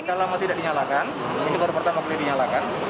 kalau lama tidak dinyalakan ini baru pertama kali dinyalakan